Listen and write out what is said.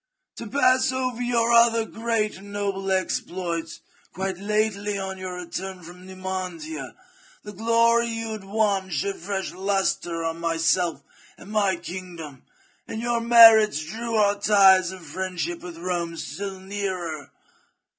To pass over your other great and noble exploits, quite lately on your return from Numantia, the glory you had won shed fresh lustre on myself and my kingdom, and your merits drew our ties of friendship with Rome still nearer.